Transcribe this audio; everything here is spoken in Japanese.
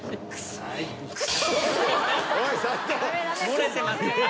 漏れてます。